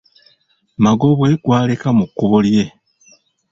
Magobwe gwaleka mu kkubo lye.